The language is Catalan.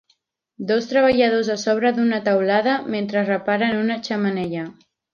Dos treballadors a sobre d'una teulada mentre reparen una xemeneia.